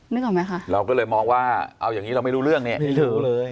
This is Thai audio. นึกออกไหมคะเราก็เลยมองว่าเอาอย่างนี้เราไม่รู้เรื่องเนี่ยไม่รู้เลย